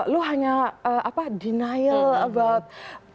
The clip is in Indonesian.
lo hanya denial gitu